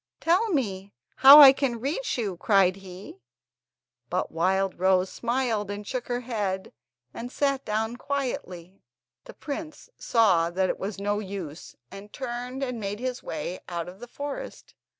"Tell me how I can reach you?" cried he; but Wildrose smiled and shook her head, and sat down quietly. The prince saw that it was no use, and turned and made his way out of the forest.